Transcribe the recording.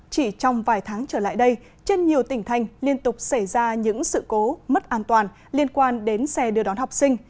chỉ trong vài tháng trở lại đây trên nhiều tỉnh thành liên tục xảy ra những sự cố mất an toàn liên quan đến xe đưa đón học sinh